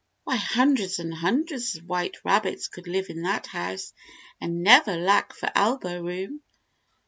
Why, hundreds and hundreds of white rabbits could live in that house and never lack for elbow room.